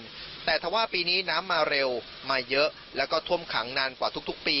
สวัสดีแต่ถ้าว่าปีนี้น้ำมาเร็วมาเยอะราธมณีถ่วมขังกว่าทุกปี